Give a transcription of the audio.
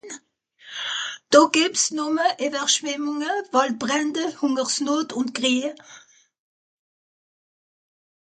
Do gebt's numme Ewerschwemmunge, Waldbrände, Hungersnot un Kriej